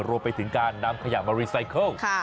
รวมไปถึงการนำขยะมารีไซเคิล